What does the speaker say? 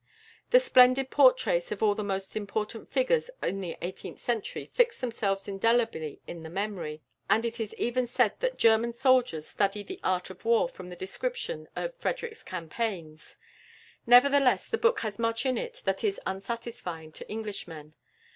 The splendid portraits of all the most important figures in the eighteenth century fix themselves indelibly in the memory, and it is even said that German soldiers study the art of war from the descriptions of Frederick's campaigns. Nevertheless, the book has much in it that is unsatisfying to Englishmen.